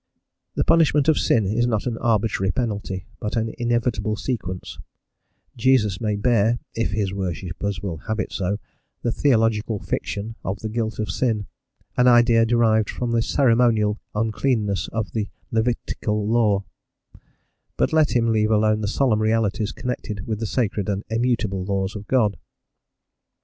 The punishment of sin is not an arbitrary penalty, but an inevitable sequence: Jesus may bear, if his worshippers will have it so, the theological fiction of the "guilt of sin," an idea derived from the ceremonial uncleanness of the Levitical law, but let him leave alone the solemn realities connected with the sacred and immutable laws of God.